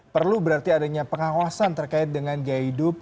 perlu berarti adanya pengawasan terkait dengan gaya hidup